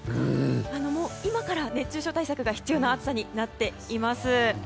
もう今から熱中症対策が必要な暑さになっています。